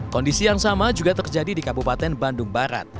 kondisi yang sama juga terjadi di kabupaten bandung barat